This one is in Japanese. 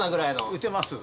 打てます。